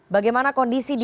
bagaimana kondisi di bukit